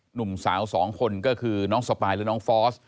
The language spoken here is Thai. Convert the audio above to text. หนุ่มสาวสองคนก็คือน้องสปายหรือน้องฟอส